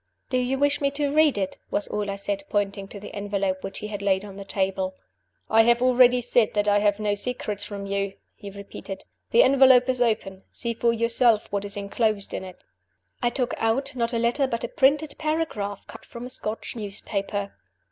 "Do you wish me to read it?" was all I said pointing to the envelope which he had laid on the table. "I have already said that I have no secrets from you," he repeated. "The envelope is open. See for yourself what is inclosed in it." I took out not a letter, but a printed paragraph, cut from a Scotch newspaper.